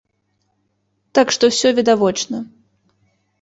Так што ўсё відавочна.